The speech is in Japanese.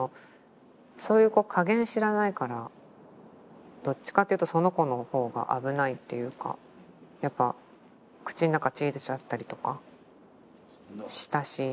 そういう子加減知らないからどっちかっていうとその子のほうが危ないっていうかやっぱ口の中血出ちゃったりとかしたし。